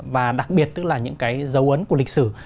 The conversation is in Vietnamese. và đặc biệt tức là những cái dấu ấn của lịch sử